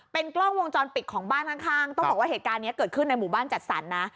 เป็นกล้องวงจรปิดของบ้านข้างต้องบอกว่าเหตุการณ์นี้เกิดขึ้นในหมู่บ้านจัดสรรนะ